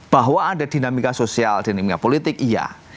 bahwa ada dinamika sosial dinamika politik iya